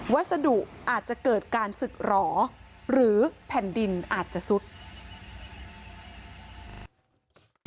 วัสดุอาจจะเกิดการศึกหรอหรือแผ่นดินอาจจะซุด